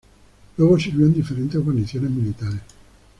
Luego sirvió en diferentes guarniciones militares.